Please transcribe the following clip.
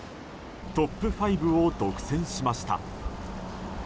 トップ５を独占しました。